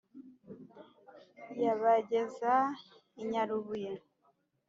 Yabageza i Nyarubuye.